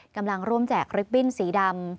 กำลังร่วมแจกริบบิ้นสีดำ